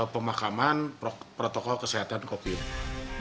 pemakaman protokol kesehatan covid